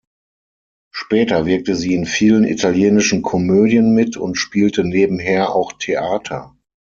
Später wirkte sie in vielen italienischen Komödien mit und spielte nebenher auch Theater.